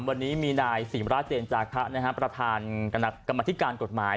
วันนี้มีนายศรีมราชเจนจาคะประธานกรรมธิการกฎหมาย